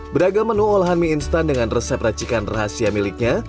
beragam menu olahan mie instan dengan resep racikan rahasia miliknya